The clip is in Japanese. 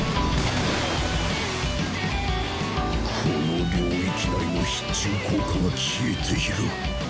この領域内の必中効果が消えている。